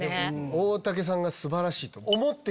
大竹さんが素晴らしいと思う。